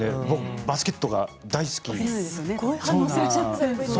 僕、バスケットが大好きで。